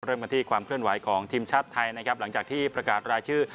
เริ่มกันที่ความเคลื่อนไหวของทีมชาติไทยนะครับหลังจากที่ประกาศรายชื่อ